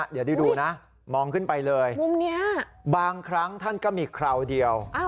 หรอเดี๋ยวดูนะมองขึ้นไปเลยบางครั้งท่านก็มีเคราะห์เดียว